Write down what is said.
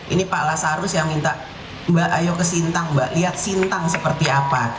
ini pak lasarus yang minta mbak ayo ke sintang mbak lihat sintang seperti apa